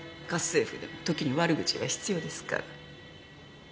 家政婦でも時に悪口は必要ですから。